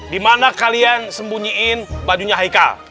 di mana kalian sembunyiin bajunya haikal